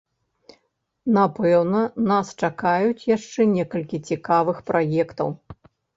Напэўна, нас чакаюць яшчэ некалькі цікавых праектаў!